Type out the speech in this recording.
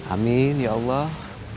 amin ya allah